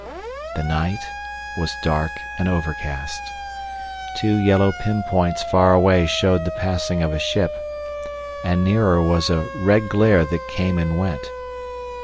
The night was dark and overcast. Two yellow pinpoints far away showed the passing of a ship, and nearer was a red glare that came and went.